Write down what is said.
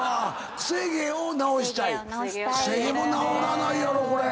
くせ毛も治らないやろこれ。